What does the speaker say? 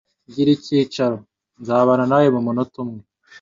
Gira icyicaro. Nzabana nawe mumunota umwe.